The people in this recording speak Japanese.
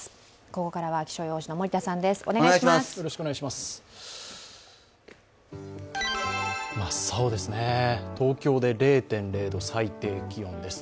ここからは気象予報士の森田さんです。